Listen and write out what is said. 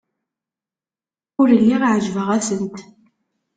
Ur lliɣ ɛejbeɣ-asent.